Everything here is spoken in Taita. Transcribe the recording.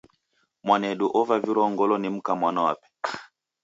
Mwanedu ovavirwa ngolo ni mka mwana wape.